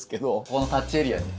ここのタッチエリアに。